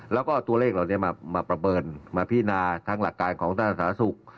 แล้วก็เอาตัวเลขเหล่านี้มาประเมินมาพินาทั้งหลักการของท่านสาธารณสุข